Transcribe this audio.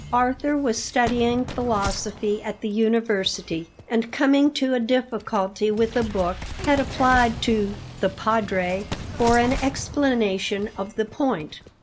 Arthur was studying philosophy at the university; and, coming to a difficulty with a book, had applied to "the Padre" for an explanation of the point.